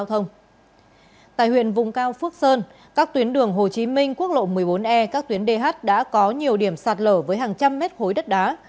tại huyện vùng cao phước sơn các tuyến đường hồ chí minh quốc lộ một mươi bốn e các tuyến dh đã có nhiều điểm sạt lở với hàng trăm mét khối đất đá